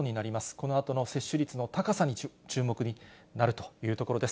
このあとの接種率の高さに注目になるということです。